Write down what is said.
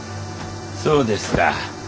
そうですか。